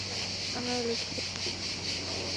আমরা লুকিয়ে আছি কেন?